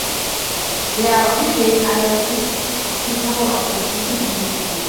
They are obligate anaerobes capable of producing endospores.